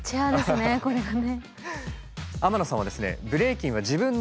これがね。